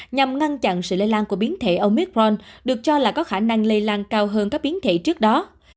nhằm ngăn chặn sự lây lan của biến thể omicron được cho là có khả năng lây lan cao hơn các biến thể trước đó